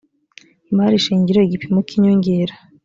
imari shingiro igipimo cy inyongera